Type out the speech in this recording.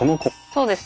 そうです。